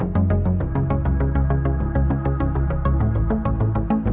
ก็ต้องใจเย็นค่ะ